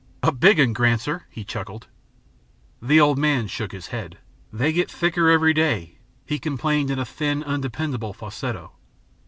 "A big un, Granser," he chuckled. The old man shook his head. "They get thicker every day," he complained in a thin, undependable falsetto.